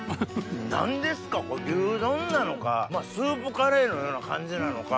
何ですか牛丼なのかスープカレーのような感じなのか。